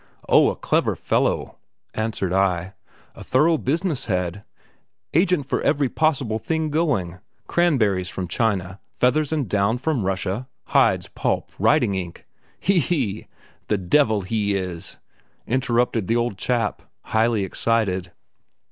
"Oh, a clever fellow!" answered I; "a thorough business head; agent for every possible thing going. Cranberries from China; feathers and down from Russia; hides, pulp, writing ink " "He, he! the devil he is?" interrupted the old chap, highly excited.